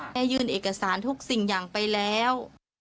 ได้ยื่นเอกสารทุกสิ่งอย่างไปแล้ว